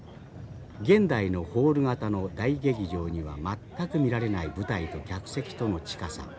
現代のホール型の大劇場には全く見られない舞台と客席との近さ。